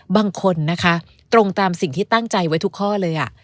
บางคนนะคะตรงตามสิ่งที่ตั้งใจไว้ทุกข้อเลย